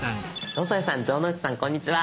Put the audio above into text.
野添さん城之内さんこんにちは。